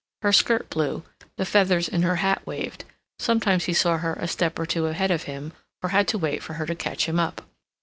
Her skirt blew; the feathers in her hat waved; sometimes he saw her a step or two ahead of him, or had to wait for her to catch him up.